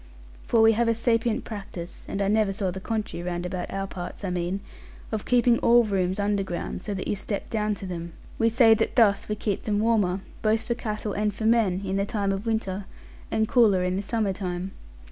For we have a sapient practice (and I never saw the contrary round about our parts, I mean), of keeping all rooms underground, so that you step down to them. We say that thus we keep them warmer, both for cattle and for men, in the time of winter, and cooler in the summer time.